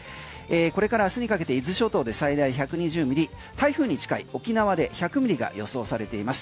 これから明日にかけて伊豆諸島で最大１２０ミリ台風に近い沖縄で１００ミリが予想されています。